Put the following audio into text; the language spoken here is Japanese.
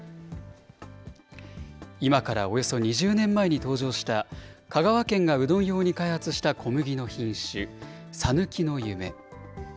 今からおよそ２０年前に登場した、香川県がうどん用に開発した小麦の品種、さぬきの夢。